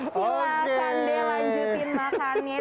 silahkan deh lanjutin makan